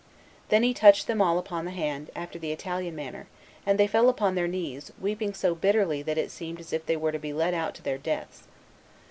Then he touched them all upon the hand, after the Italian manner, and they fell upon their knees, weeping so bitterly that it seemed as if they were to be led out to their deaths.